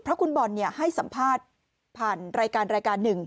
เพราะคุณบอลให้สัมภาษณ์ผ่านรายการ๑